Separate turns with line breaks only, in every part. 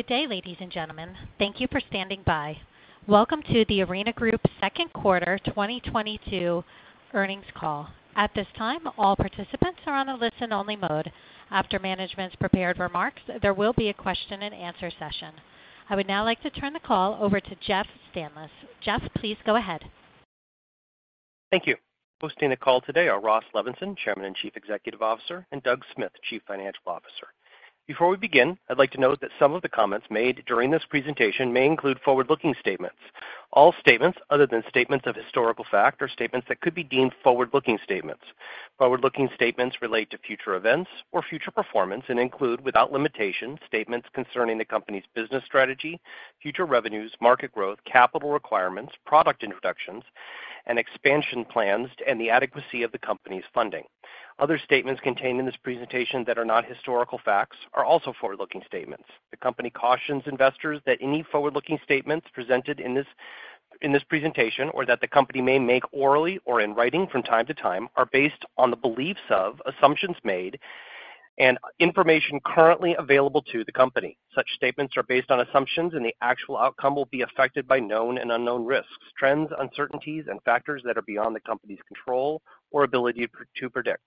Good day, ladies and gentlemen. Thank you for standing by. Welcome to The Arena Group Second Quarter 2022 Earnings Call. At this time, all participants are on a listen only mode. After management's prepared remarks, there will be a question-and-answer session. I would now like to turn the call over to Jeff Stanlis. Jeff, please go ahead.
Thank you. Hosting the call today are Ross Levinsohn, Chairman and Chief Executive Officer, and Doug Smith, Chief Financial Officer. Before we begin, I'd like to note that some of the comments made during this presentation may include forward-looking statements. All statements other than statements of historical fact are statements that could be deemed forward-looking statements. Forward-looking statements relate to future events or future performance and include, without limitation, statements concerning the company's business strategy, future revenues, market growth, capital requirements, product introductions and expansion plans, and the adequacy of the company's funding. Other statements contained in this presentation that are not historical facts are also forward-looking statements. The company cautions investors that any forward-looking statements presented in this presentation or that the company may make orally or in writing from time to time are based on the beliefs and assumptions made and information currently available to the company. Such statements are based on assumptions, and the actual outcome will be affected by known and unknown risks, trends, uncertainties, and factors that are beyond the company's control or ability to predict.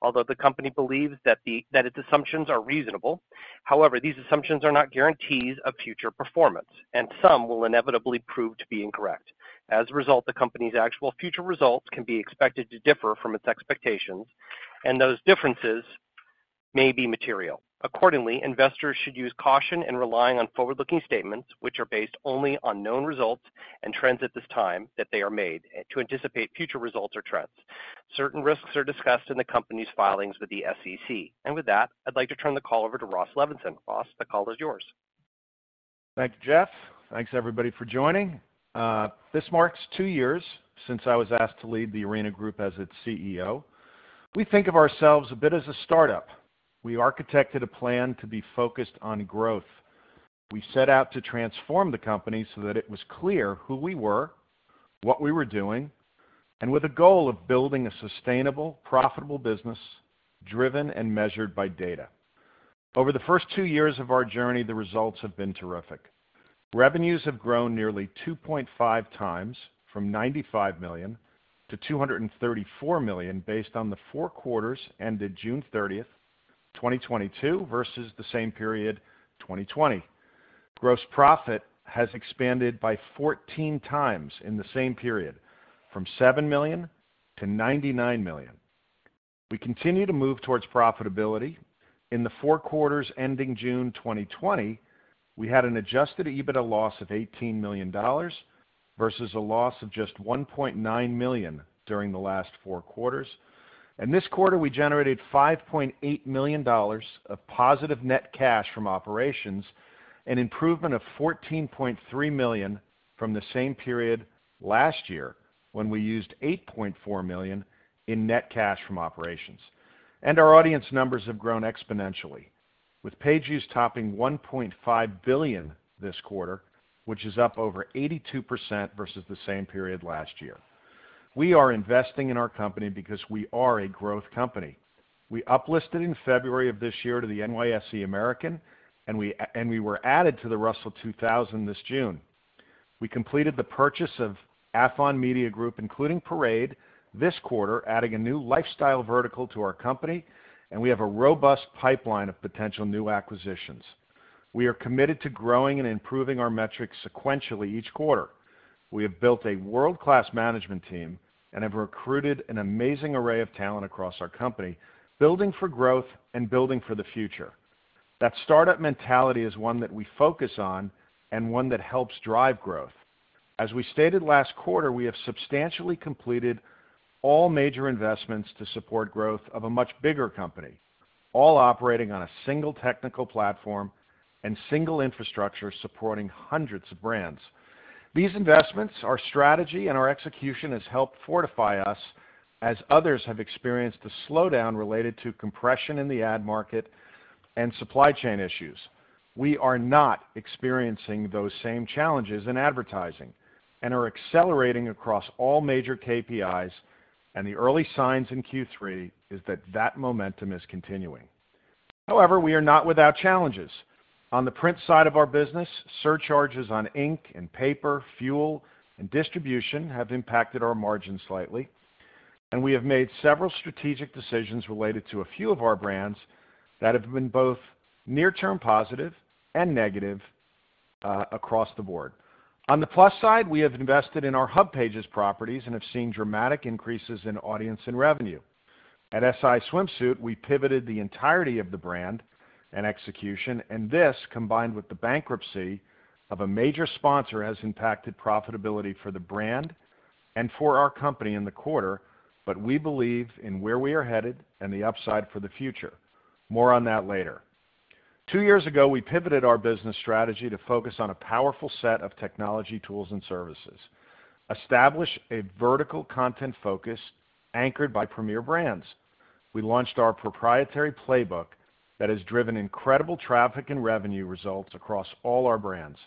Although the company believes that its assumptions are reasonable, however, these assumptions are not guarantees of future performance, and some will inevitably prove to be incorrect. As a result, the company's actual future results can be expected to differ from its expectations, and those differences may be material. Accordingly, investors should use caution in relying on forward-looking statements which are based only on known results and trends at this time that they are made to anticipate future results or trends. Certain risks are discussed in the company's filings with the SEC. With that, I'd like to turn the call over to Ross Levinsohn. Ross, the call is yours.
Thanks, Jeff. Thanks, everybody, for joining. This marks two years since I was asked to lead The Arena Group as its CEO. We think of ourselves a bit as a startup. We architected a plan to be focused on growth. We set out to transform the company so that it was clear who we were, what we were doing, and with a goal of building a sustainable, profitable business driven and measured by data. Over the first two years of our journey, the results have been terrific. Revenues have grown nearly 2.5x from $95 million to $234 million based on the four quarters ended June 30th, 2022 versus the same period, 2020. Gross profit has expanded by 14x in the same period from $7 million to $99 million. We continue to move towards profitability. In the four quarters ending June 2020, we had an adjusted EBITDA loss of $18 million versus a loss of just $1.9 million during the last four quarters. This quarter, we generated $5.8 million of positive net cash from operations, an improvement of $14.3 million from the same period last year when we used $8.4 million in net cash from operations. Our audience numbers have grown exponentially, with page views topping 1.5 billion this quarter, which is up over 82% versus the same period last year. We are investing in our company because we are a growth company. We uplisted in February of this year to the NYSE American, and we were added to the Russell 2000 this June. We completed the purchase of Athlon Media Group, including Parade this quarter, adding a new lifestyle vertical to our company. We have a robust pipeline of potential new acquisitions. We are committed to growing and improving our metrics sequentially each quarter. We have built a world-class management team and have recruited an amazing array of talent across our company, building for growth and building for the future. That startup mentality is one that we focus on and one that helps drive growth. As we stated last quarter, we have substantially completed all major investments to support growth of a much bigger company, all operating on a single technical platform and single infrastructure supporting hundreds of brands. These investments, our strategy and our execution has helped fortify us as others have experienced a slowdown related to compression in the ad market and supply chain issues. We are not experiencing those same challenges in advertising and are accelerating across all major KPIs. The early signs in Q3 is that momentum is continuing. However, we are not without challenges. On the print side of our business, surcharges on ink and paper, fuel and distribution have impacted our margins slightly, and we have made several strategic decisions related to a few of our brands that have been both near-term, positive and negative, across the board. On the plus side, we have invested in our HubPages properties and have seen dramatic increases in audience and revenue. At SI Swimsuit, we pivoted the entirety of the brand and execution, and this, combined with the bankruptcy of a major sponsor, has impacted profitability for the brand and for our company in the quarter. We believe in where we are headed and the upside for the future. More on that later. Two years ago, we pivoted our business strategy to focus on a powerful set of technology tools and services, establish a vertical content focus anchored by premier brands. We launched our proprietary playbook that has driven incredible traffic and revenue results across all our brands.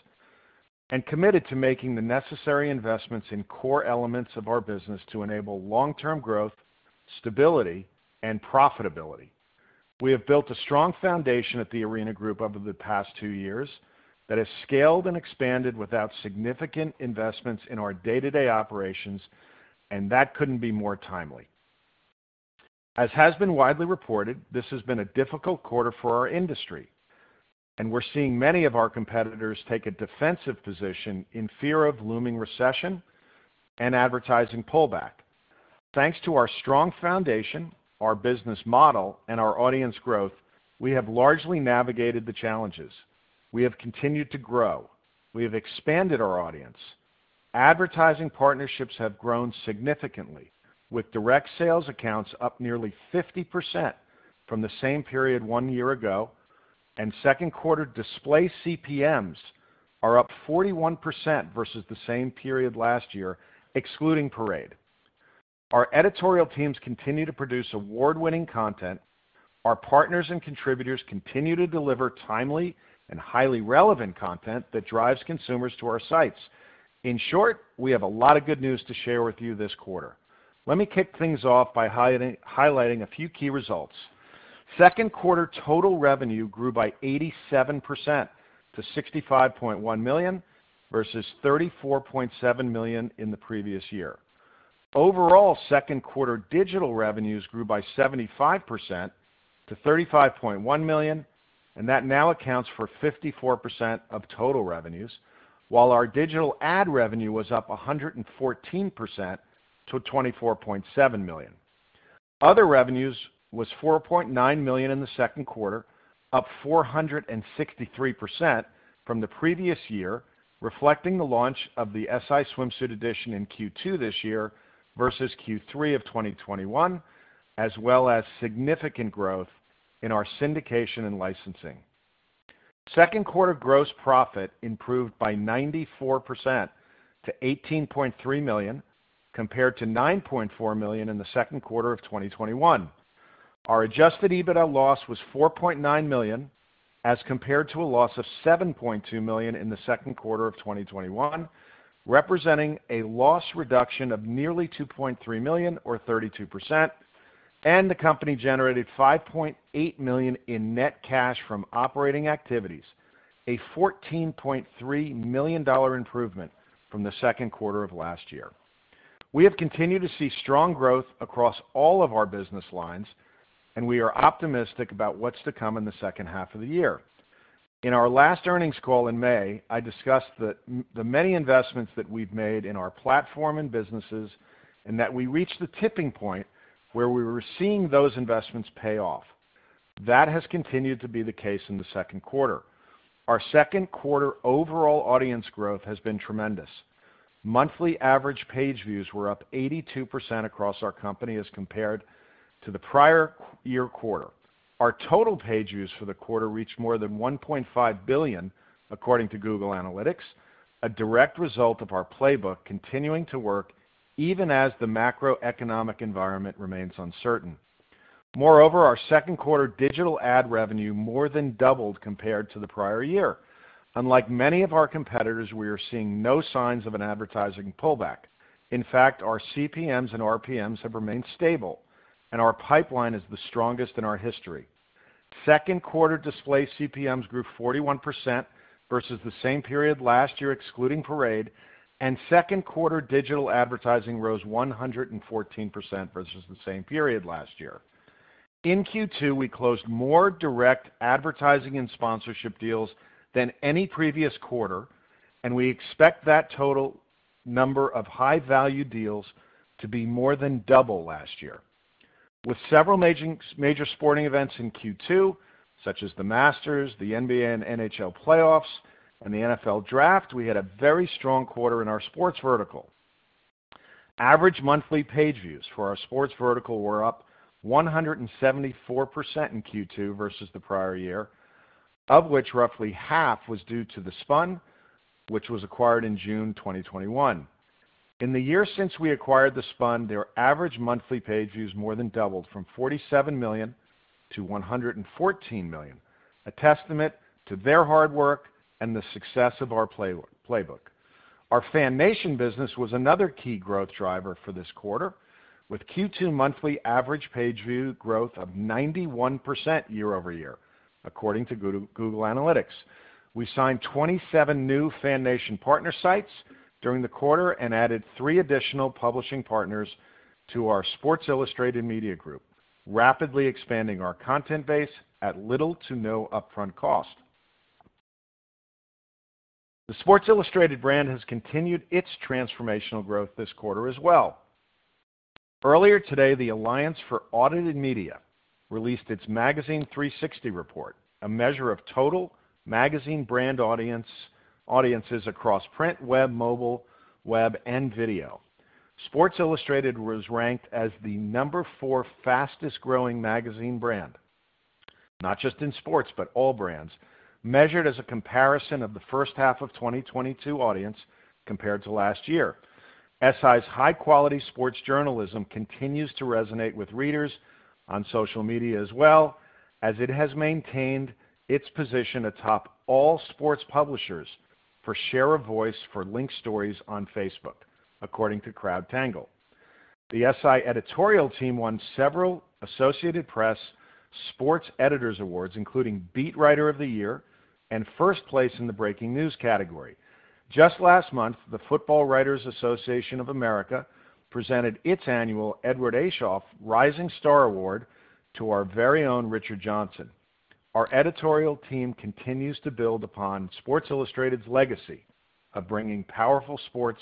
Committed to making the necessary investments in core elements of our business to enable long-term growth, stability, and profitability. We have built a strong foundation at The Arena Group over the past two years that has scaled and expanded without significant investments in our day-to-day operations, and that couldn't be more timely. As has been widely reported, this has been a difficult quarter for our industry, and we're seeing many of our competitors take a defensive position in fear of looming recession and advertising pullback. Thanks to our strong foundation, our business model, and our audience growth, we have largely navigated the challenges. We have continued to grow. We have expanded our audience. Advertising partnerships have grown significantly with direct sales accounts up nearly 50% from the same period one year ago, and second quarter display CPMs are up 41% versus the same period last year, excluding Parade. Our editorial teams continue to produce award-winning content. Our partners and contributors continue to deliver timely and highly relevant content that drives consumers to our sites. In short, we have a lot of good news to share with you this quarter. Let me kick things off by highlighting a few key results. Second quarter total revenue grew by 87% to $65.1 million versus $34.7 million in the previous year. Overall, second quarter digital revenues grew by 75% to $35.1 million, and that now accounts for 54% of total revenues, while our digital ad revenue was up 114% to $24.7 million. Other revenues was $4.9 million in the second quarter, up 463% from the previous year, reflecting the launch of the SI Swimsuit edition in Q2 this year versus Q3 of 2021, as well as significant growth in our syndication and licensing. Second quarter gross profit improved by 94% to $18.3 million, compared to $9.4 million in the second quarter of 2021. Our adjusted EBITDA loss was $4.9 million as compared to a loss of $7.2 million in the second quarter of 2021, representing a loss reduction of nearly $2.3 million or 32%. The company generated $5.8 million in net cash from operating activities, a $14.3 million improvement from the second quarter of last year. We have continued to see strong growth across all of our business lines, and we are optimistic about what's to come in the second half of the year. In our last earnings call in May, I discussed the many investments that we've made in our platform and businesses, and that we reached the tipping point where we were seeing those investments pay off. That has continued to be the case in the second quarter. Our second quarter overall audience growth has been tremendous. Monthly average page views were up 82% across our company as compared to the prior year quarter. Our total page views for the quarter reached more than 1.5 billion, according to Google Analytics, a direct result of our playbook continuing to work even as the macroeconomic environment remains uncertain. Moreover, our second quarter digital ad revenue more than doubled compared to the prior year. Unlike many of our competitors, we are seeing no signs of an advertising pullback. In fact, our CPMs and RPMs have remained stable, and our pipeline is the strongest in our history. Second quarter display CPMs grew 41% versus the same period last year, excluding Parade, and second quarter digital advertising rose 114% versus the same period last year. In Q2, we closed more direct advertising and sponsorship deals than any previous quarter, and we expect that total number of high-value deals to be more than double last year. With several major sporting events in Q2, such as The Masters, the NBA and NHL playoffs, and the NFL Draft, we had a very strong quarter in our sports vertical. Average monthly page views for our sports vertical were up 174% in Q2 versus the prior year, of which roughly half was due to The Spun, which was acquired in June 2021. In the year since we acquired The Spun, their average monthly page views more than doubled from 47 million to 114 million, a testament to their hard work and the success of our playbook. Our FanNation business was another key growth driver for this quarter, with Q2 monthly average page view growth of 91% year-over-year, according to Google Analytics. We signed 27 new FanNation partner sites during the quarter and added three additional publishing partners to our Sports Illustrated Media Group, rapidly expanding our content base at little to no upfront cost. The Sports Illustrated brand has continued its transformational growth this quarter as well. Earlier today, the Alliance for Audited Media released its Magazine 360 Report, a measure of total magazine brand audience across print, web, mobile, web, and video. Sports Illustrated was ranked as the 4 fastest-growing magazine brand, not just in sports, but all brands, measured as a comparison of the first half of 2022 audience compared to last year. SI's high-quality sports journalism continues to resonate with readers on social media as well as it has maintained its position atop all sports publishers for share of voice for link stories on Facebook, according to CrowdTangle. The SI editorial team won several Associated Press Sports Editors Awards, including Beat Writer of the Year and first place in the Breaking News category. Just last month, the Football Writers Association of America presented its annual Edward Aschoff Rising Star Award to our very own Richard Johnson. Our editorial team continues to build upon Sports Illustrated's legacy of bringing powerful sports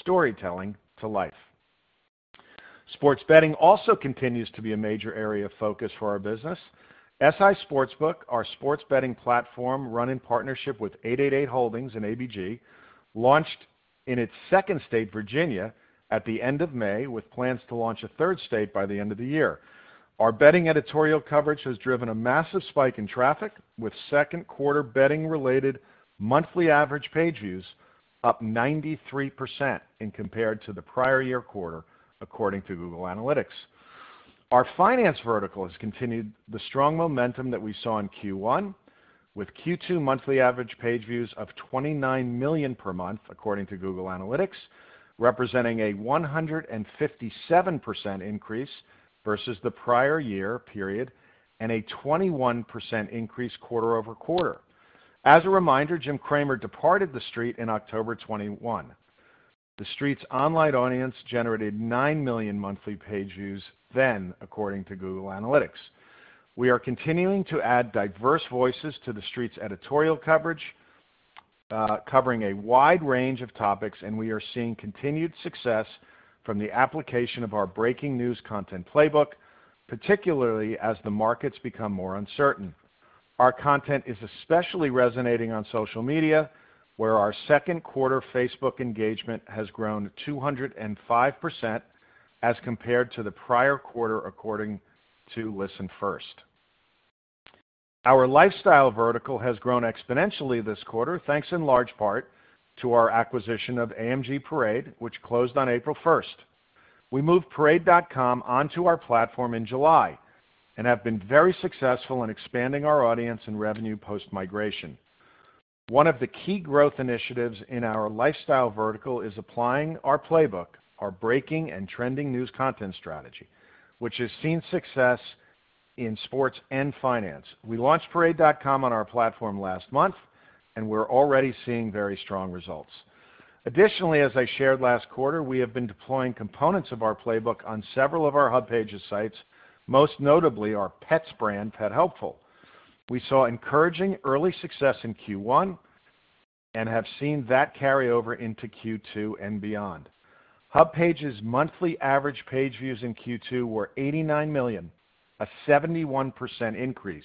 storytelling to life. Sports betting also continues to be a major area of focus for our business. SI Sportsbook, our sports betting platform, run in partnership with 888 Holdings and ABG, launched in its second state, Virginia, at the end of May, with plans to launch a third state by the end of the year. Our betting editorial coverage has driven a massive spike in traffic, with second quarter betting-related monthly average page views up 93% compared to the prior year quarter, according to Google Analytics. Our finance vertical has continued the strong momentum that we saw in Q1, with Q2 monthly average page views of 29 million per month, according to Google Analytics, representing a 157% increase versus the prior year period and a 21% increase quarter over quarter. As a reminder, Jim Cramer departed TheStreet in October 2021. TheStreet's online audience generated 9 million monthly page views then, according to Google Analytics. We are continuing to add diverse voices to TheStreet's editorial coverage, covering a wide range of topics, and we are seeing continued success from the application of our breaking news content playbook, particularly as the markets become more uncertain. Our content is especially resonating on social media, where our second quarter Facebook engagement has grown 205% as compared to the prior quarter, according to ListenFirst. Our lifestyle vertical has grown exponentially this quarter, thanks in large part to our acquisition of AMG/Parade, which closed on April 1st. We moved Parade.com onto our platform in July and have been very successful in expanding our audience and revenue post-migration. One of the key growth initiatives in our lifestyle vertical is applying our playbook, our breaking and trending news content strategy, which has seen success in sports and finance. We launched Parade.com on our platform last month, and we're already seeing very strong results. Additionally, as I shared last quarter, we have been deploying components of our playbook on several of our HubPages sites, most notably our pets brand, PetHelpful. We saw encouraging early success in Q1 and have seen that carry over into Q2 and beyond. HubPages monthly average page views in Q2 were 89 million, a 71% increase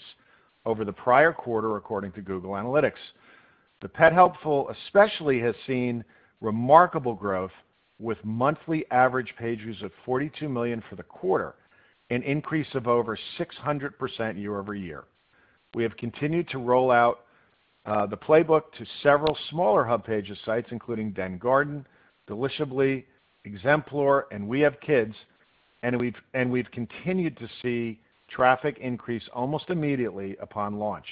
over the prior quarter, according to Google Analytics. The PetHelpful especially has seen remarkable growth with monthly average page views of 42 million for the quarter, an increase of over 600% year-over-year. We have continued to roll out the playbook to several smaller HubPages sites including Dengarden, Delishably, Exemplore, and WeHaveKids, and we've continued to see traffic increase almost immediately upon launch,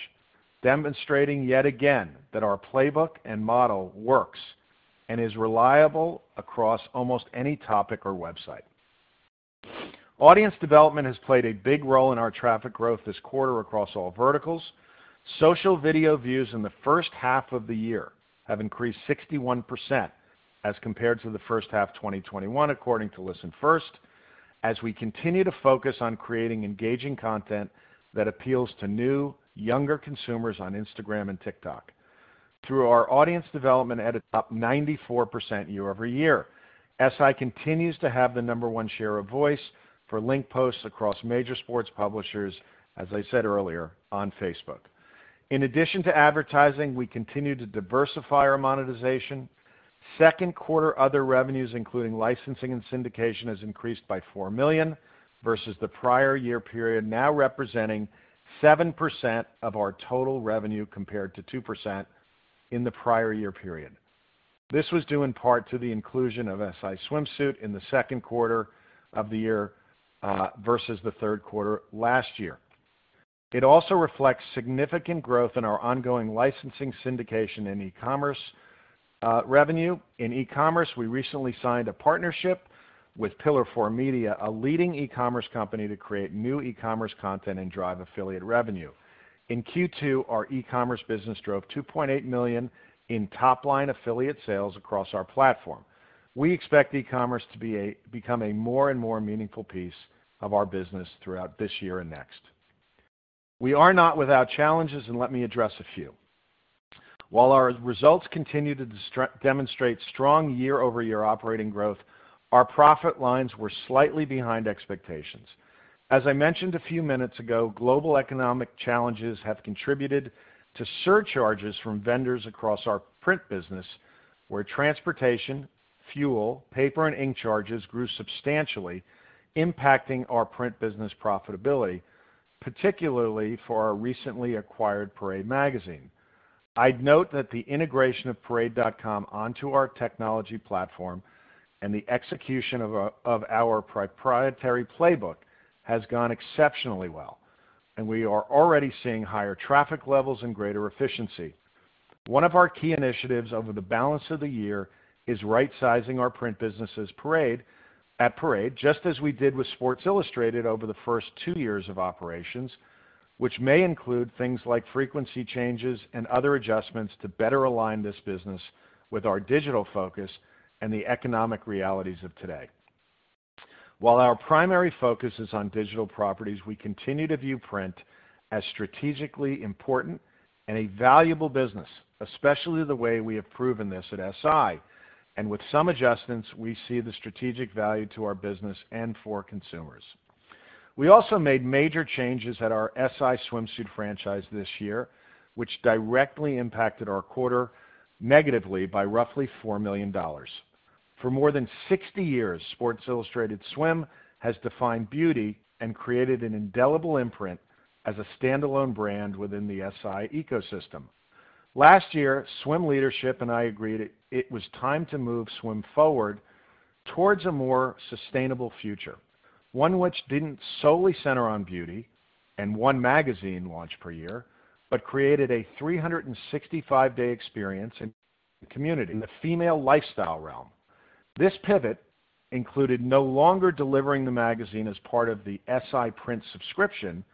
demonstrating yet again that our playbook and model works and is reliable across almost any topic or website. Audience development has played a big role in our traffic growth this quarter across all verticals. Social video views in the first half of the year have increased 61% as compared to the first half 2021, according to ListenFirst, as we continue to focus on creating engaging content that appeals to new, younger consumers on Instagram and TikTok. Through our audience development at a top 94% year-over-year, SI continues to have the number one share of voice for link posts across major sports publishers, as I said earlier, on Facebook. In addition to advertising, we continue to diversify our monetization. Second quarter other revenues, including licensing and syndication, has increased by $4 million versus the prior year period, now representing 7% of our total revenue compared to 2% in the prior year period. This was due in part to the inclusion of SI Swimsuit in the second quarter of the year versus the third quarter last year. It also reflects significant growth in our ongoing licensing syndication and e-commerce revenue. In e-commerce, we recently signed a partnership with Pillar4 Media, a leading e-commerce company, to create new e-commerce content and drive affiliate revenue. In Q2, our e-commerce business drove $2.8 million in top-line affiliate sales across our platform. We expect e-commerce to become a more and more meaningful piece of our business throughout this year and next. We are not without challenges, and let me address a few. While our results continue to demonstrate strong year-over-year operating growth, our profit lines were slightly behind expectations. As I mentioned a few minutes ago, global economic challenges have contributed to surcharges from vendors across our print business, where transportation, fuel, paper, and ink charges grew substantially, impacting our print business profitability, particularly for our recently acquired Parade magazine. I'd note that the integration of Parade.com onto our technology platform and the execution of our proprietary playbook has gone exceptionally well, and we are already seeing higher traffic levels and greater efficiency. One of our key initiatives over the balance of the year is rightsizing our print business, Parade, just as we did with Sports Illustrated over the first two years of operations, which may include things like frequency changes and other adjustments to better align this business with our digital focus and the economic realities of today. While our primary focus is on digital properties, we continue to view print as strategically important and a valuable business, especially the way we have proven this at SI. With some adjustments, we see the strategic value to our business and for consumers. We also made major changes at our SI Swimsuit franchise this year, which directly impacted our quarter negatively by roughly $4 million. For more than 60 years, Sports Illustrated Swimsuit has defined beauty and created an indelible imprint as a standalone brand within the SI ecosystem. Last year, Swim leadership and I agreed it was time to move Swim forward towards a more sustainable future, one which didn't solely center on beauty and one magazine launch per year, but created a 365-day experience in the female lifestyle realm. This pivot included no longer delivering the magazine as part of the SI print subscription,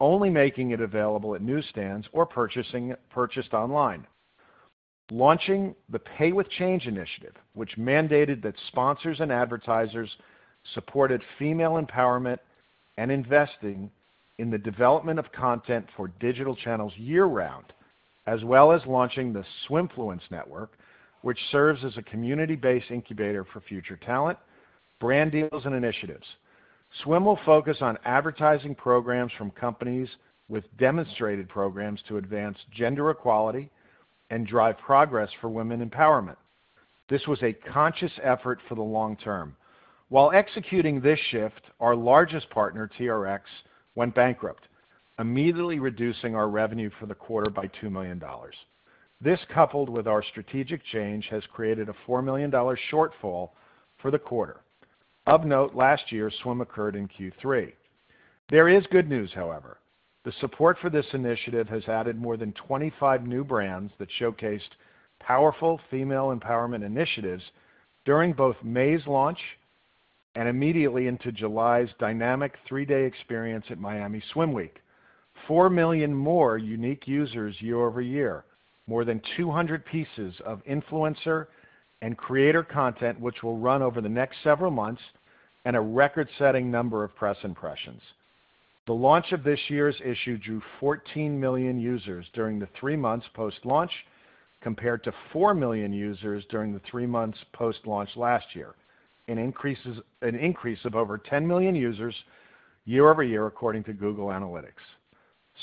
only making it available at newsstands or purchased online. Launching the Pay With Change initiative, which mandated that sponsors and advertisers supported female empowerment and investing in the development of content for digital channels year-round, as well as launching The Swimfluence Network, which serves as a community-based incubator for future talent, brand deals and initiatives. Swim will focus on advertising programs from companies with demonstrated programs to advance gender equality and drive progress for women empowerment. This was a conscious effort for the long term. While executing this shift, our largest partner, TRX, went bankrupt, immediately reducing our revenue for the quarter by $2 million. This, coupled with our strategic change, has created a $4 million shortfall for the quarter. Of note, last year, Swim occurred in Q3. There is good news, however. The support for this initiative has added more than 25 new brands that showcased powerful female empowerment initiatives during both May's launch and immediately into July's dynamic three-day experience at Miami Swim Week. 4 million more unique users year-over-year. More than 200 pieces of influencer and creator content, which will run over the next several months. A record-setting number of press impressions. The launch of this year's issue drew 14 million users during the three months post-launch, compared to 4 million users during the three months post-launch last year. An increase of over 10 million users year-over-year, according to Google Analytics.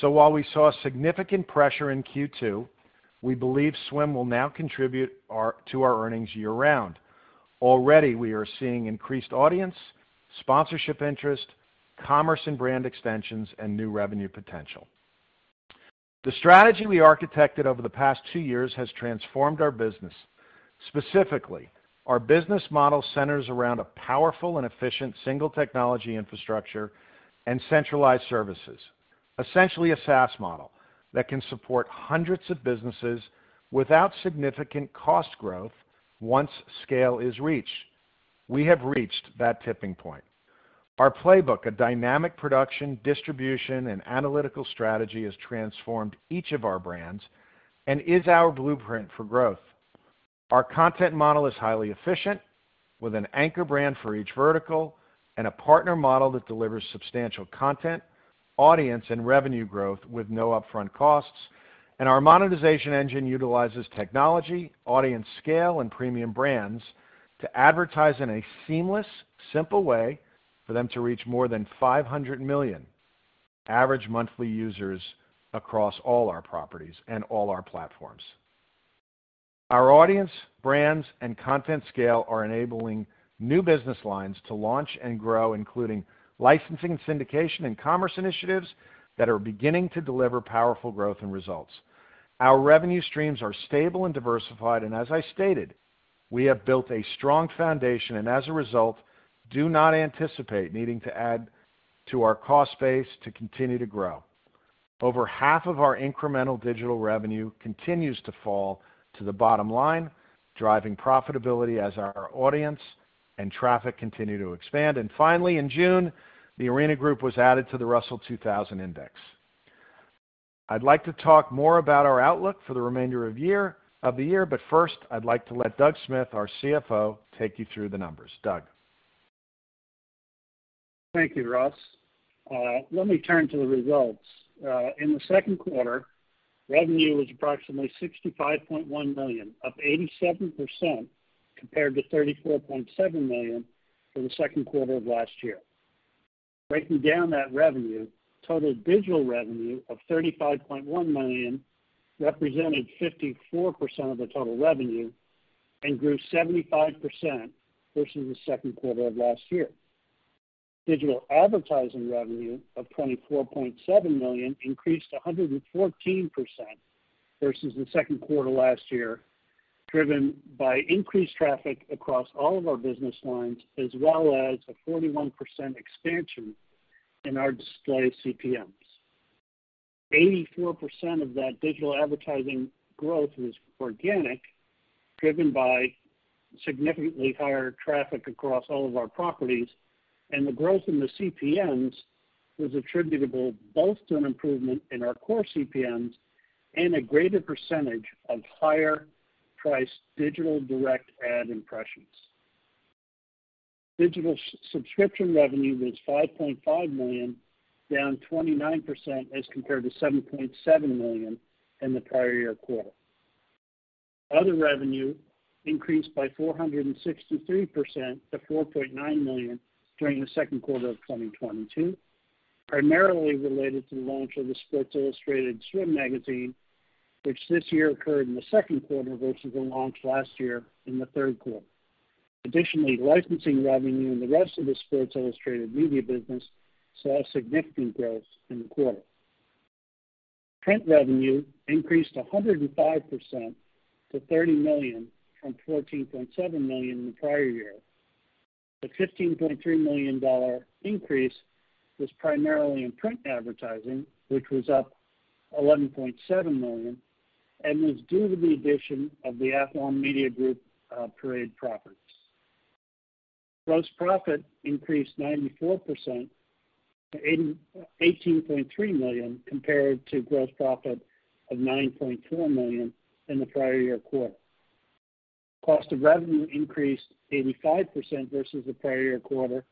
While we saw significant pressure in Q2, we believe Swim will now contribute to our earnings year round. Already, we are seeing increased audience, sponsorship interest, commerce and brand extensions, and new revenue potential. The strategy we architected over the past two years has transformed our business. Specifically, our business model centers around a powerful and efficient single technology infrastructure and centralized services. Essentially a SaaS model that can support hundreds of businesses without significant cost growth once scale is reached. We have reached that tipping point. Our playbook, a dynamic production, distribution, and analytical strategy, has transformed each of our brands and is our blueprint for growth. Our content model is highly efficient, with an anchor brand for each vertical and a partner model that delivers substantial content, audience, and revenue growth with no upfront costs. Our monetization engine utilizes technology, audience scale, and premium brands to advertise in a seamless, simple way for them to reach more than 500 million average monthly users across all our properties and all our platforms. Our audience, brands, and content scale are enabling new business lines to launch and grow, including licensing, syndication, and commerce initiatives that are beginning to deliver powerful growth and results. Our revenue streams are stable and diversified, and as I stated, we have built a strong foundation and as a result, do not anticipate needing to add to our cost base to continue to grow. Over half of our incremental digital revenue continues to fall to the bottom line, driving profitability as our audience and traffic continue to expand. Finally, in June, The Arena Group was added to the Russell 2000 Index. I'd like to talk more about our outlook for the remainder of the year, but first, I'd like to let Doug Smith, our CFO, take you through the numbers. Doug?
Thank you, Ross. Let me turn to the results. In the second quarter, revenue was approximately $65.1 million, up 87% compared to $34.7 million for the second quarter of last year. Breaking down that revenue, total digital revenue of $35.1 million represented 54% of the total revenue and grew 75% versus the second quarter of last year. Digital advertising revenue of $24.7 million increased 114% versus the second quarter last year, driven by increased traffic across all of our business lines, as well as a 41% expansion in our display CPMs. 84% of that digital advertising growth was organic, driven by significantly higher traffic across all of our properties, and the growth in the CPMs was attributable both to an improvement in our core CPMs and a greater percentage of higher priced digital direct ad impressions. Digital subscription revenue was $5.5 million, down 29% as compared to $7.7 million in the prior year quarter. Other revenue increased by 463% to $4.9 million during the second quarter of 2022, primarily related to the launch of the Sports Illustrated Swimsuit magazine, which this year occurred in the second quarter versus the launch last year in the third quarter. Additionally, licensing revenue and the rest of the Sports Illustrated Media business saw significant growth in the quarter. Print revenue increased 105% to $30 million from $14.7 million in the prior year. The $15.3 million increase was primarily in print advertising, which was up $11.7 million and was due to the addition of the Athlon Media Group, Parade properties. Gross profit increased 94% to $18.3 million, compared to gross profit of $9.4 million in the prior year quarter. Cost of revenue increased 85% versus the prior year quarter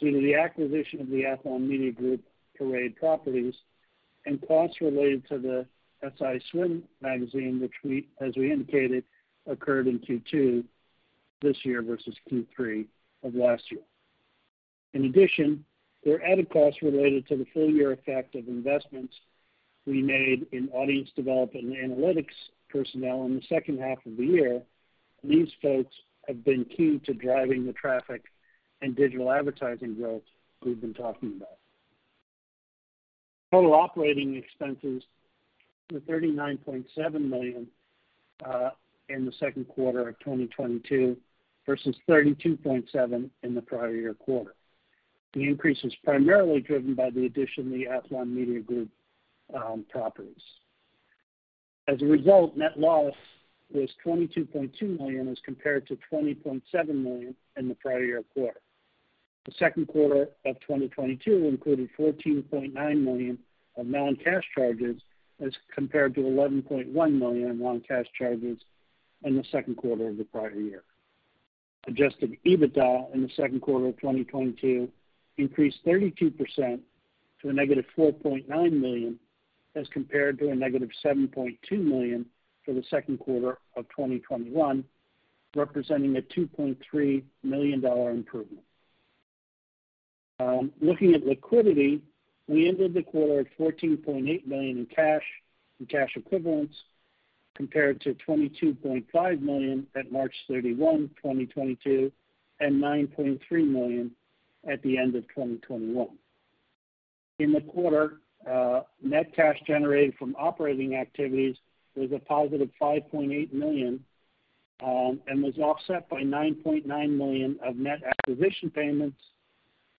due to the acquisition of the Athlon Media Group Parade properties and costs related to the SI Swimsuit magazine, as we indicated, occurred in Q2 this year versus Q3 of last year. In addition, there are added costs related to the full year effect of investments we made in audience development and analytics personnel in the second half of the year. These folks have been key to driving the traffic and digital advertising growth we've been talking about. Total operating expenses were $39.7 million in the second quarter of 2022 versus $32.7 million in the prior year quarter. The increase was primarily driven by the addition of the Athlon Media Group properties. As a result, net loss was $22.2 million as compared to $20.7 million in the prior year quarter. The second quarter of 2022 included $14.9 million of non-cash charges as compared to $11.1 million non-cash charges in the second quarter of the prior year. Adjusted EBITDA in the second quarter of 2022 increased 32% to -$4.9 million, as compared to -$7.2 million for the second quarter of 2021, representing a $2.3 million improvement. Looking at liquidity, we ended the quarter at $14.8 million in cash and cash equivalents compared to $22.5 million at March 31, 2022 and $9.3 million at the end of 2021. In the quarter, net cash generated from operating activities was +$5.8 million, and was offset by $9.9 million of net acquisition payments,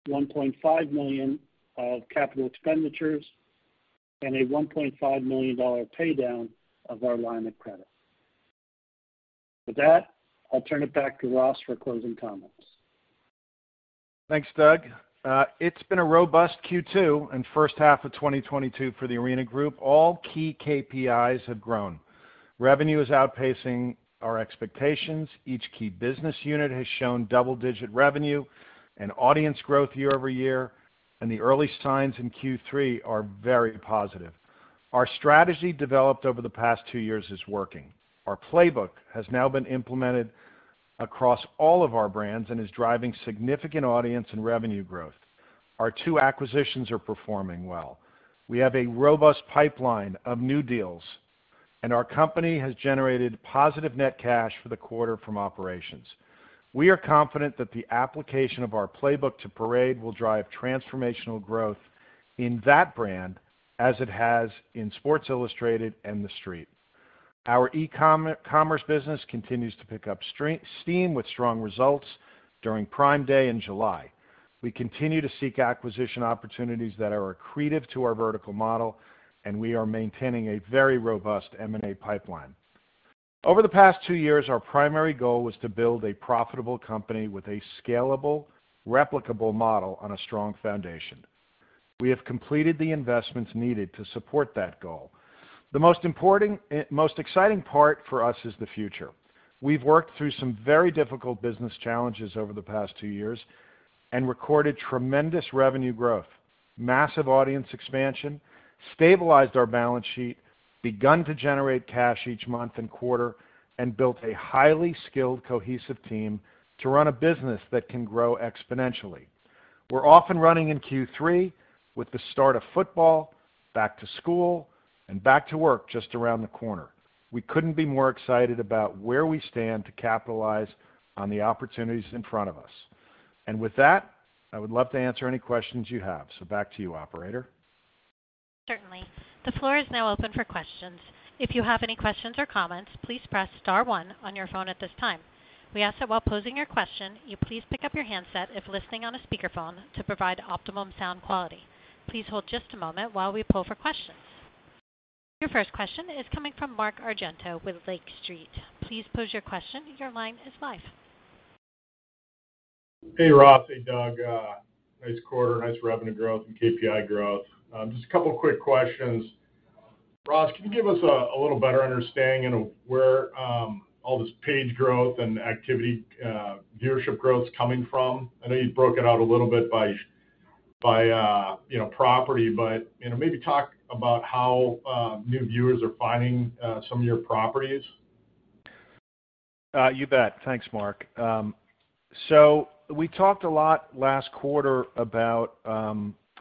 $1.5 million of capital expenditures, and a $1.5 million pay down of our line of credit. With that, I'll turn it back to Ross for closing comments.
Thanks, Doug. It's been a robust Q2 and first half of 2022 for The Arena Group. All key KPIs have grown. Revenue is outpacing our expectations. Each key business unit has shown double-digit revenue and audience growth year-over-year, and the early signs in Q3 are very positive. Our strategy developed over the past two years is working. Our playbook has now been implemented across all of our brands and is driving significant audience and revenue growth. Our two acquisitions are performing well. We have a robust pipeline of new deals, and our company has generated positive net cash for the quarter from operations. We are confident that the application of our playbook to Parade will drive transformational growth in that brand as it has in Sports Illustrated and TheStreet. Our e-commerce business continues to pick up steam with strong results during Prime Day in July. We continue to seek acquisition opportunities that are accretive to our vertical model, and we are maintaining a very robust M&A pipeline. Over the past two years, our primary goal was to build a profitable company with a scalable, replicable model on a strong foundation. We have completed the investments needed to support that goal. The most exciting part for us is the future. We've worked through some very difficult business challenges over the past two years and recorded tremendous revenue growth, massive audience expansion, stabilized our balance sheet, begun to generate cash each month and quarter, and built a highly skilled, cohesive team to run a business that can grow exponentially. We're off and running in Q3 with the start of football, back to school, and back to work just around the corner. We couldn't be more excited about where we stand to capitalize on the opportunities in front of us. With that, I would love to answer any questions you have. Back to you, operator.
Certainly. The floor is now open for questions. If you have any questions or comments, please press star one on your phone at this time. We ask that while posing your question, you please pick up your handset if listening on a speakerphone to provide optimum sound quality. Please hold just a moment while we pull for questions. Your first question is coming from Mark Argento with Lake Street. Please pose your question. Your line is live.
Hey, Ross. Hey, Doug. Nice quarter. Nice revenue growth and KPI growth. Just a couple of quick questions. Ross, can you give us a little better understanding of where all this page growth and activity viewership growth is coming from? I know you broke it out a little bit by you know, property, but you know, maybe talk about how new viewers are finding some of your properties.
You bet. Thanks, Mark. So we talked a lot last quarter about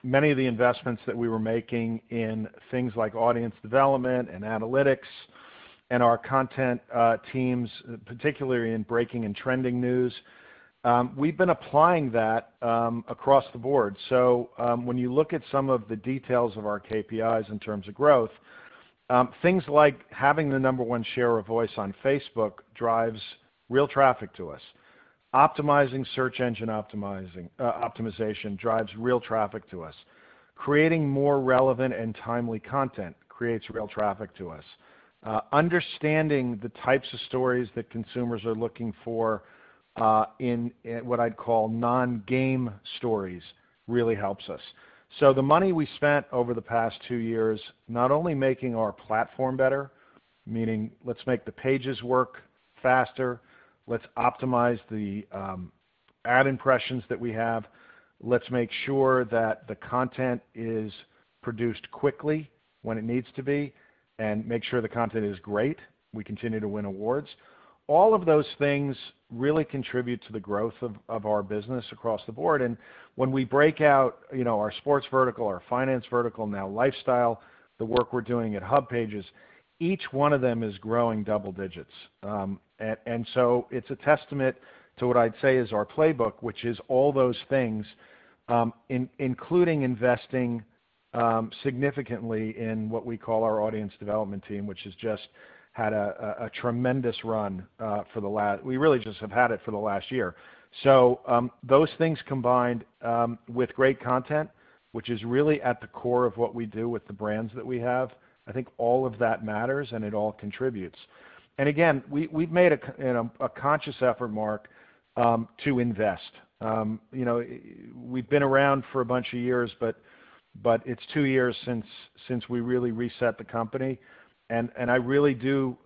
many of the investments that we were making in things like audience development and analytics and our content teams, particularly in breaking and trending news. We've been applying that across the board. When you look at some of the details of our KPIs in terms of growth, things like having the number one share of voice on Facebook drives real traffic to us. Optimizing search engine optimization drives real traffic to us. Creating more relevant and timely content creates real traffic to us. Understanding the types of stories that consumers are looking for in what I'd call non-game stories really helps us. The money we spent over the past two years, not only making our platform better, meaning let's make the pages work faster, let's optimize the ad impressions that we have, let's make sure that the content is produced quickly when it needs to be and make sure the content is great, we continue to win awards. All of those things really contribute to the growth of our business across the board. When we break out, you know, our sports vertical, our finance vertical, now lifestyle, the work we're doing at HubPages, each one of them is growing double digits. It's a testament to what I'd say is our playbook, which is all those things, including investing significantly in what we call our audience development team, which has just had a tremendous run. We really just have had it for the last year. Those things combined with great content, which is really at the core of what we do with the brands that we have, I think all of that matters and it all contributes. Again, we've made you know, a conscious effort, Mark, to invest. You know, we've been around for a bunch of years, but it's two years since we really reset the company. I really do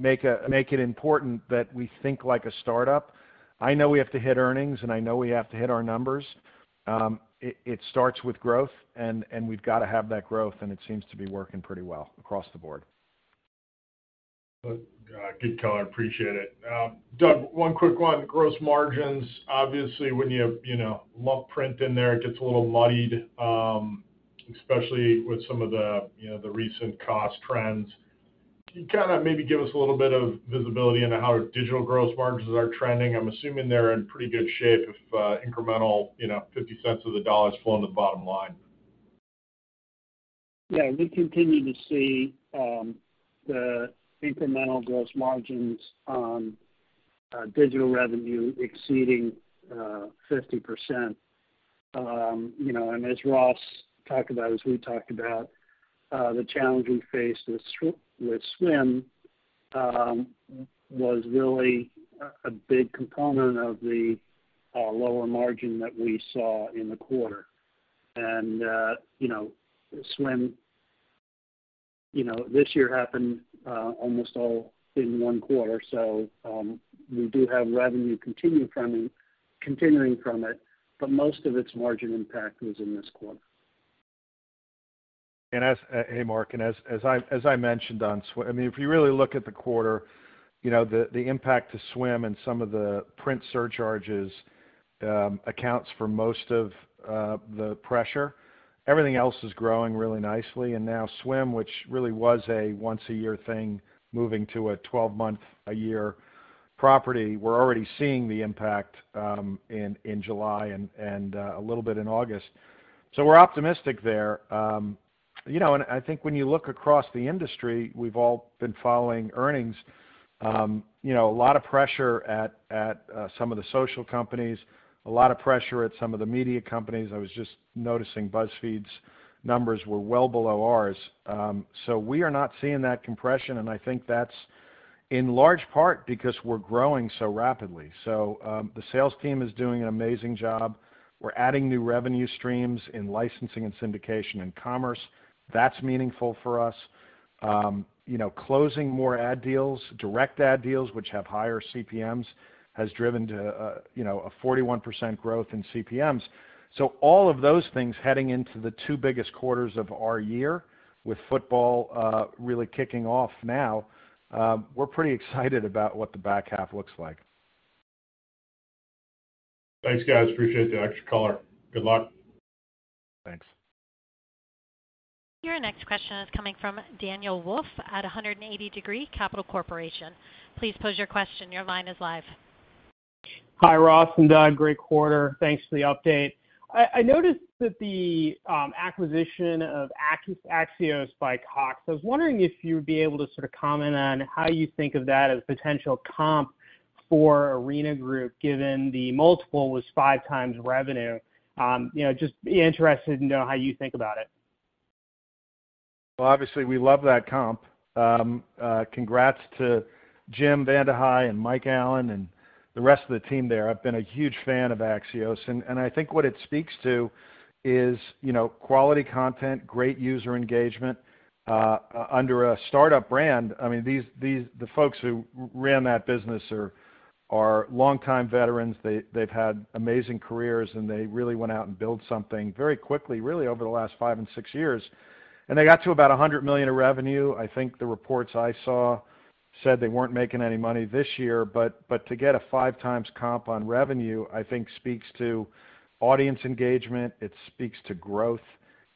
make it important that we think like a startup. I know we have to hit earnings, and I know we have to hit our numbers. It starts with growth, and we've got to have that growth, and it seems to be working pretty well across the board.
Good color. I appreciate it. Doug, one quick one. Gross margins. Obviously, when you have, you know, lump print in there, it gets a little muddied, especially with some of the, you know, the recent cost trends. Can you kinda maybe give us a little bit of visibility into how digital gross margins are trending? I'm assuming they're in pretty good shape if, incremental, you know, $0.50 Is flowing to the bottom line.
Yeah, we continue to see the incremental gross margins on digital revenue exceeding 50%. You know, as Ross talked about, as we talked about, the challenge we faced with Swim was really a big component of the lower margin that we saw in the quarter. You know, Swim this year happened almost all in one quarter. We do have revenue continuing from it, but most of its margin impact was in this quarter.
Hey, Mark. As I mentioned on Swim—I mean, if you really look at the quarter, you know, the impact to Swim and some of the print surcharges accounts for most of the pressure. Everything else is growing really nicely. Now Swim, which really was a once-a-year thing, moving to a 12-month-a-year property, we're already seeing the impact in July and a little bit in August. So we're optimistic there. I think when you look across the industry, we've all been following earnings. A lot of pressure at some of the social companies, a lot of pressure at some of the media companies. I was just noticing BuzzFeed's numbers were well below ours. We are not seeing that compression, and I think that's in large part because we're growing so rapidly. The sales team is doing an amazing job. We're adding new revenue streams in licensing and syndication and commerce. That's meaningful for us. You know, closing more ad deals, direct ad deals, which have higher CPMs, has driven to, you know, a 41% growth in CPMs. All of those things heading into the two biggest quarters of our year with football really kicking off now, we're pretty excited about what the back half looks like.
Thanks, guys. Appreciate the extra color. Good luck.
Thanks.
Your next question is coming from Daniel Wolfe at 180 Degree Capital Corporation. Please pose your question. Your line is live.
Hi Ross and Doug, great quarter. Thanks for the update. I noticed that the acquisition of Axios by Cox. I was wondering if you'd be able to sort of comment on how you think of that as potential comp for Arena Group, given the multiple was 5x revenue. You know, just interested to know how you think about it.
Well, obviously, we love that comp. Congrats to Jim VandeHei and Mike Allen and the rest of the team there. I've been a huge fan of Axios, and I think what it speaks to is, you know, quality content, great user engagement, under a startup brand. I mean, these the folks who ran that business are longtime veterans. They've had amazing careers, and they really went out and built something very quickly, really over the last five and six years. They got to about $100 million of revenue. I think the reports I saw said they weren't making any money this year. To get a 5x comp on revenue, I think speaks to audience engagement. It speaks to growth.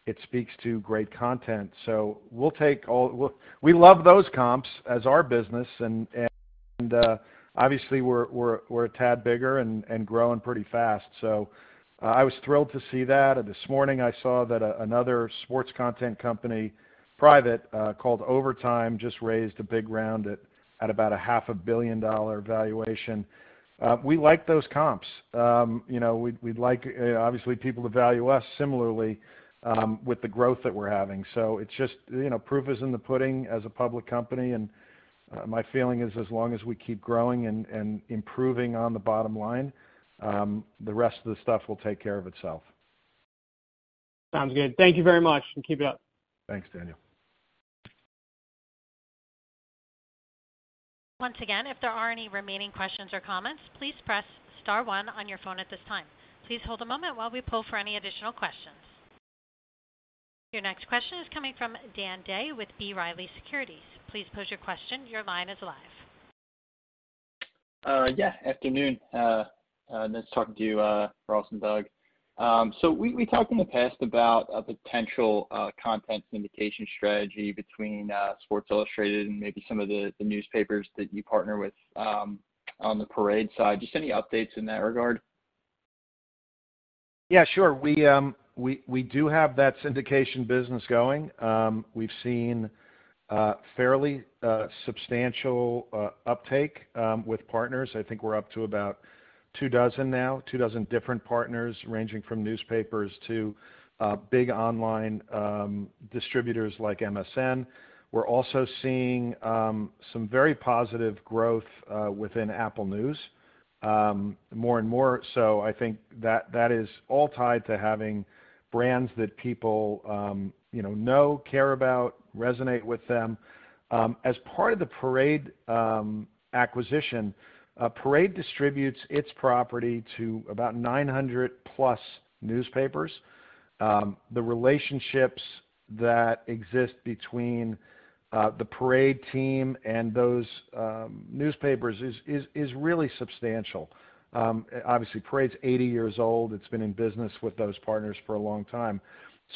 It speaks to great content. We'll take all. We love those comps as our business and obviously we're a tad bigger and growing pretty fast. I was thrilled to see that. This morning I saw that another sports content company, private, called Overtime, just raised a big round at about half a billion dollar valuation. We like those comps. You know we'd like obviously people to value us similarly with the growth that we're having. It's just you know proof is in the pudding as a public company and my feeling is as long as we keep growing and improving on the bottom line the rest of the stuff will take care of itself.
Sounds good. Thank you very much, and keep it up.
Thanks, Daniel.
Once again, if there are any remaining questions or comments, please press star one on your phone at this time. Please hold a moment while we pull for any additional questions. Your next question is coming from Dan Day with B. Riley Securities. Please pose your question. Your line is live.
Yeah, afternoon. Nice talking to you, Ross and Doug. We talked in the past about a potential content syndication strategy between Sports Illustrated and maybe some of the newspapers that you partner with on the Parade side. Just any updates in that regard?
Yeah, sure. We do have that syndication business going. We've seen fairly substantial uptake with partners. I think we're up to about two dozen now, two dozen different partners ranging from newspapers to big online distributors like MSN. We're also seeing some very positive growth within Apple News more and more. I think that is all tied to having brands that people you know know, care about, resonate with them. As part of the Parade acquisition, Parade distributes its property to about 900+ newspapers. The relationships that exist between the Parade team and those newspapers is really substantial. Obviously, Parade's 80 years old. It's been in business with those partners for a long time.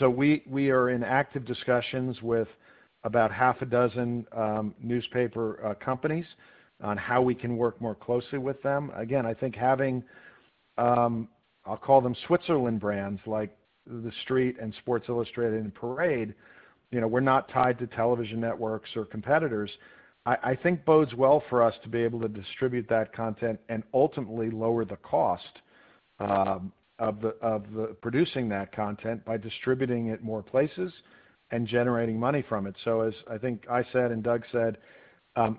We are in active discussions with about half a dozen newspaper companies on how we can work more closely with them. Again, I think having, I'll call them Switzerland brands like TheStreet and Sports Illustrated and Parade, you know, we're not tied to television networks or competitors. I think bodes well for us to be able to distribute that content and ultimately lower the cost of producing that content by distributing it more places and generating money from it. As I think I said and Doug said,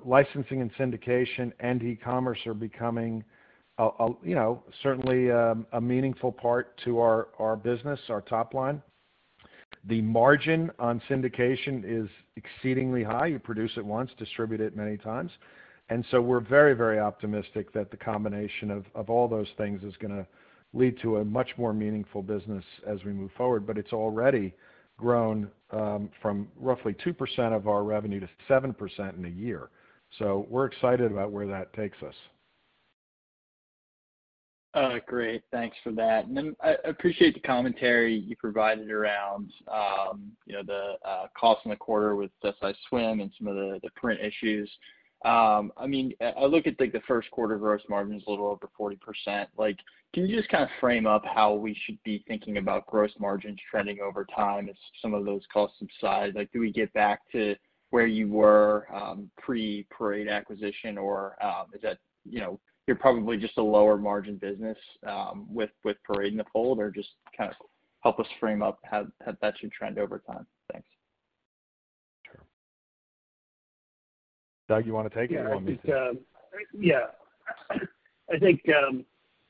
licensing and syndication and e-commerce are becoming a you know certainly a meaningful part to our business, our top line. The margin on syndication is exceedingly high. You produce it once, distribute it many times. We're very, very optimistic that the combination of all those things is gonna lead to a much more meaningful business as we move forward. It's already grown from roughly 2% of our revenue to 7% in a year. We're excited about where that takes us.
Great. Thanks for that. I appreciate the commentary you provided around, you know, the cost in the quarter with SI Swimsuit and some of the print issues. I mean, I look at, like, the first quarter gross margin is a little over 40%. Like, can you just kind of frame up how we should be thinking about gross margins trending over time as some of those costs subside? Like, do we get back to where you were, pre-Parade acquisition, or, is that, you know, you're probably just a lower margin business, with Parade in the fold? Or just kind of help us frame up how that should trend over time. Thanks.
Sure. Doug, you wanna take it, or you want me to?
I think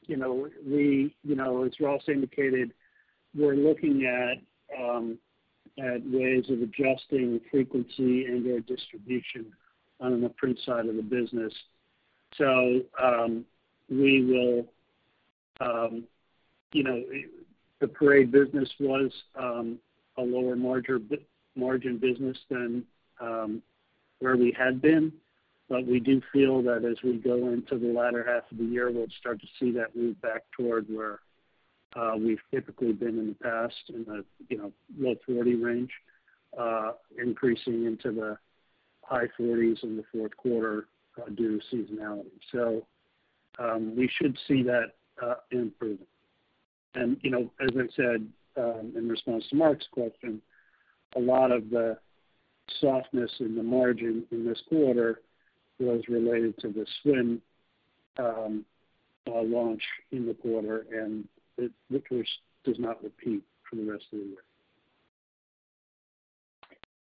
you know, we you know, as Ross indicated, we're looking at ways of adjusting the frequency and our distribution on the print side of the business. The Parade business was a lower margin business than where we had been. We do feel that as we go into the latter half of the year, we'll start to see that move back toward where we've typically been in the low 30% range, increasing into the high 40s in the fourth quarter due to seasonality. We should see that improving. You know, as I said, in response to Mark's question, a lot of the softness in the margin in this quarter was related to the swim launch in the quarter, and it, which does not repeat for the rest of the year.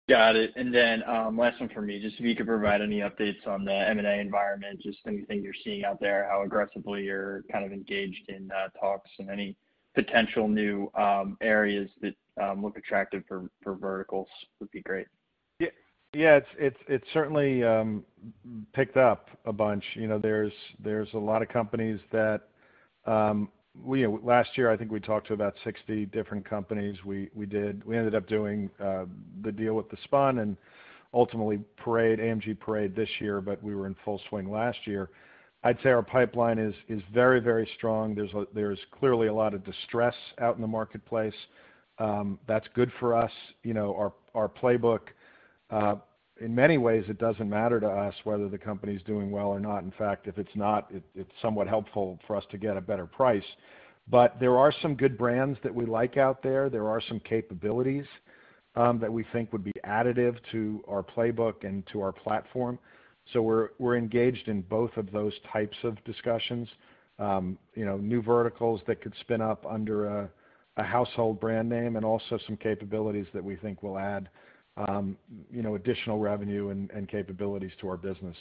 Got it. Last one for me. Just if you could provide any updates on the M&A environment, just anything you're seeing out there, how aggressively you're kind of engaged in talks, and any potential new areas that look attractive for verticals would be great.
Yeah. Yeah. It's certainly picked up a bunch. You know, there's a lot of companies. Last year, I think we talked to about 60 different companies. We did. We ended up doing the deal with The Spun and ultimately Parade, AMG/Parade this year, but we were in full swing last year. I'd say our pipeline is very, very strong. There's clearly a lot of distress out in the marketplace. That's good for us. You know, our playbook, in many ways, it doesn't matter to us whether the company is doing well or not. In fact, if it's not, it's somewhat helpful for us to get a better price. There are some good brands that we like out there. There are some capabilities that we think would be additive to our playbook and to our platform. We're engaged in both of those types of discussions. You know, new verticals that could spin up under a household brand name and also some capabilities that we think will add, you know, additional revenue and capabilities to our business.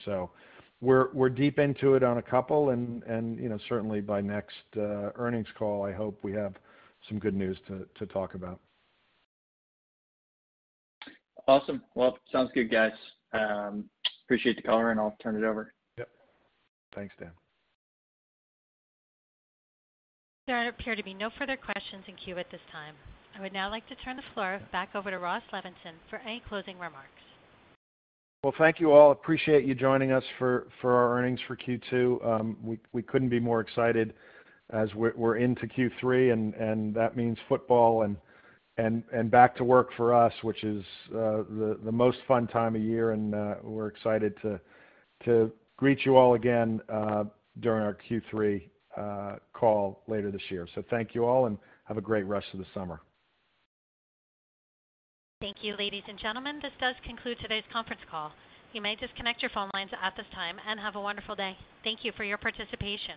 We're deep into it on a couple, and you know, certainly by next earnings call, I hope we have some good news to talk about.
Awesome. Well, sounds good, guys. Appreciate the color, and I'll turn it over.
Yep. Thanks, Dan.
There appear to be no further questions in queue at this time. I would now like to turn the floor back over to Ross Levinsohn for any closing remarks.
Well, thank you all. Appreciate you joining us for our earnings for Q2. We couldn't be more excited as we're into Q3, and that means football and back to work for us, which is the most fun time of year. We're excited to greet you all again during our Q3 call later this year. Thank you all, and have a great rest of the summer.
Thank you, ladies and gentlemen, this does conclude today's conference call. You may disconnect your phone lines at this time and have a wonderful day. Thank you for your participation.